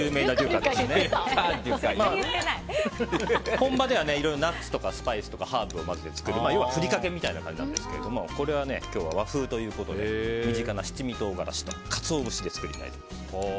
本場ではいろいろナッツとかスパイスとかハーブを混ぜて作る要はふりかけみたいな感じなんですが今日は和風ということで身近な七味唐辛子とカツオ節で作ります。